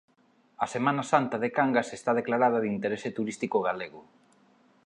A Semana Santa de Cangas está declarada de interese turístico galego